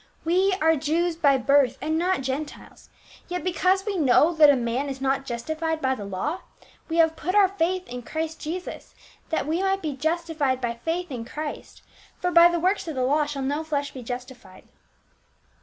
We are Jews by birth and not Gentiles ; yet because wc know that a man is not justified by the law, we have put our faith in Christ Jesus, that we might be justified by faith in Christ ; for by the works of the law shall no flesh be justified."